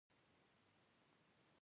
د ژبي قواعد باید زده سي.